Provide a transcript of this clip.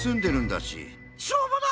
しょうもな！